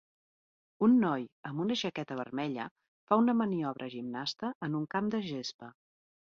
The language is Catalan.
Un noi amb una jaqueta vermella fa una maniobra gimnasta en un camp de gespa.